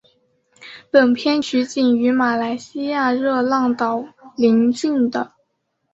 本片取景于马来西亚热浪岛邻近的。